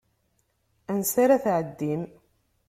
Ansa ara tɛeddim?